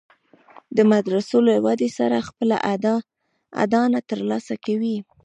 د مدرسو له ودې سره خپله اډانه تر لاسه کوي.